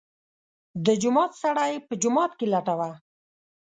د جومات سړی په جومات کې لټوه.